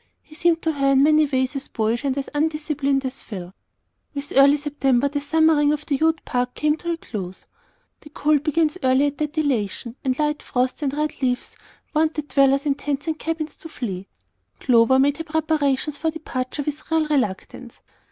He seemed to her in many ways as boyish and as undisciplined as Phil. With early September the summering of the Ute Park came to a close. The cold begins early at that elevation, and light frosts and red leaves warned the dwellers in tents and cabins to flee. Clover made her preparations for departure with real reluctance.